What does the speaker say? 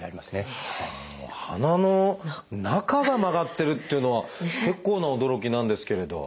鼻の中が曲がってるっていうのは結構な驚きなんですけれど。